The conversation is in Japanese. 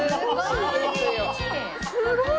すごい！